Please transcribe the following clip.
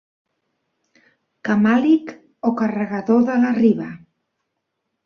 Camàlic o carregador de la riba.